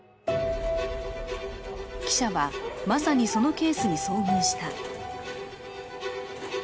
記者は、まさにそのケースに遭遇した。